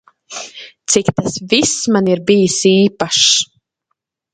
Cik tas viss man ir bijis īpašs?